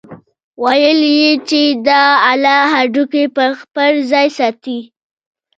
ويل يې چې دغه اله هډوکي پر خپل ځاى ساتي.